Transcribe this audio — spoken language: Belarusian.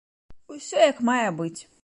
Усё як мае быць.